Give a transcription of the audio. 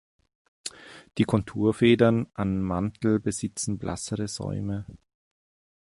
Die Konturfedern am Mantel besitzen blassere Säume.